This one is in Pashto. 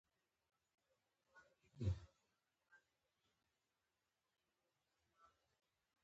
ښوروا د خوږو لمحو برخه ده.